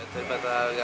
kembaliannya gitu ya pak